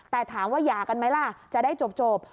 แต่ถามว่าหย่ากันไหมล่ะจะได้จบ